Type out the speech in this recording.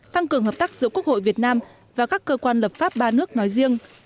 tăng cường hợp tác giữa quốc hội việt nam và các cơ quan lập pháp ba nước nói riêng